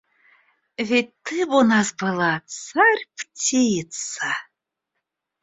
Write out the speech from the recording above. Ведь ты б у нас была царь-птица!